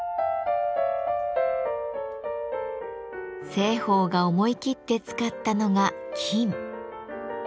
栖鳳が思い切って使ったのが金。